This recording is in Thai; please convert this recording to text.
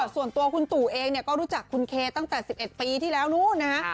ส่วนตัวคุณตู่เองก็รู้จักคุณเคตั้งแต่๑๑ปีที่แล้วนู้นนะฮะ